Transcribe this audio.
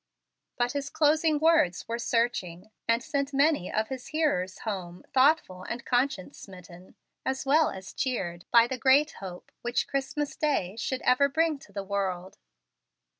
But his closing words were searching, and sent many of his hearers home thoughtful and conscience smitten, as well as cheered by the great hope which Christmas day should ever bring to the world.